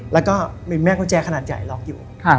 แล้วก็มีแม่กุญแจขนาดใหญ่ล็อกอยู่